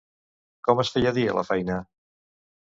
Com es feia dir a la feina?